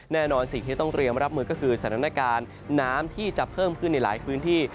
แน่นอนสิ่งที่ต้องเตรียมรับมือก็คือสถานการณ์น้ำที่จะเพิ่มขึ้นในหลายพื้นที่